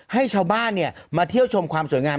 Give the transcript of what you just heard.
ให้ชาวบ้านมาเที่ยวชมความสวยงาม